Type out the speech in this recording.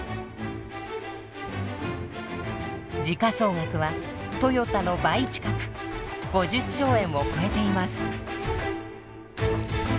時価総額はトヨタの倍近く５０兆円を超えています。